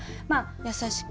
優しく。